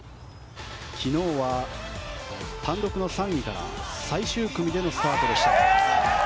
昨日は単独の３位から最終組でのスタートでした。